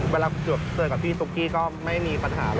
เวลาเจอกับพี่ตุ๊กกี้ก็ไม่มีปัญหา